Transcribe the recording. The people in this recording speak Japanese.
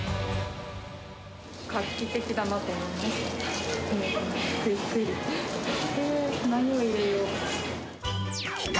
画期的だなと思いました。